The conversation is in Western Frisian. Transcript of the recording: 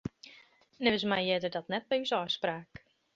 Neffens my hearde dat net by ús ôfspraak.